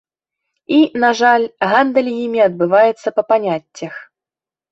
І, на жаль, гандаль імі адбываецца па паняццях.